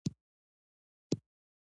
عمومي چارې د دولت له لوري پرمخ وړل کېږي.